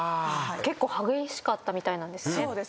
結構激しかったみたいなんですね。